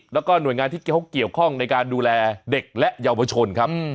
แล้วก็หน่วยงานที่เขาเกี่ยวข้องในการดูแลเด็กและเยาวชนครับ